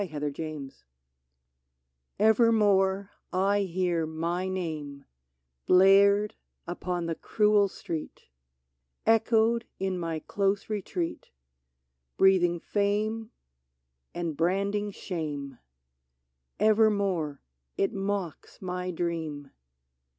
" 87 DELILAH T^VERMORE I hear my name, Blared upon the cruel street, Echoed in my close retreat. Breathing fame, and branding shame Evermore it mocks my dream.